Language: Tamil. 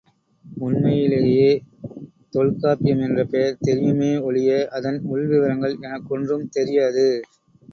உண்மையிலேயே தொல்காப்பியம் என்ற பெயர் தெரியுமே ஒழிய அதன் உள்விவரங்கள் எனக்கொன்றும் தெரியாது.